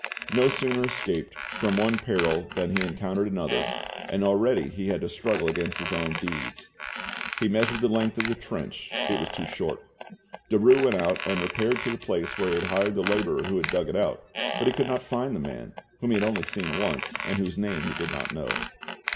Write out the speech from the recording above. No sooner escaped from one peril than he encountered another, and already he had to struggle against his own deeds. He measured the length of the trench, it was too short. Derues went out and repaired to the place where he had hired the labourer who had dug it out, but he could not find the man, whom he had only seen once, and whose name he did not know.